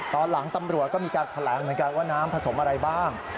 ตอนหลังตำรวจก็มีการแถลงเหมือนกันว่าน้ำผสมอะไรบ้าง